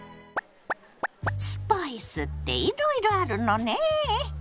スパイスっていろいろあるのねえ。